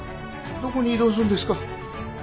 どこに異動すんですか？